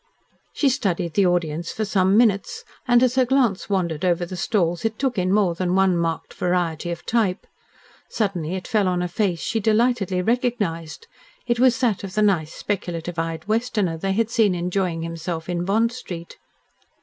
She studied the audience for some minutes, and, as her glance wandered over the stalls, it took in more than one marked variety of type. Suddenly it fell on a face she delightedly recognised. It was that of the nice, speculative eyed Westerner they had seen enjoying himself in Bond Street.